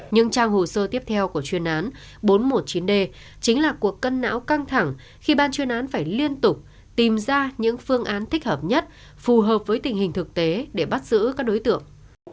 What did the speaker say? nhưng trang hồ sơ tiếp theo của chuyên án bốn trăm một mươi chín d chính là cuộc cân não căng thẳng khi ban chuyên án phải liên tục tìm ra những phương án thích hợp nhất phù hợp với tình hình thực tế để bắt giữ các đối tượng